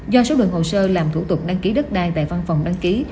do số lượng hồ sơ làm thủ tục đăng ký đất đai tại văn phòng đăng ký